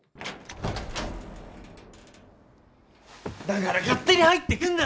だから勝手に入ってくるな！